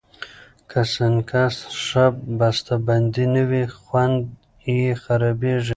که سنکس ښه بستهبندي نه وي، خوند یې خرابېږي.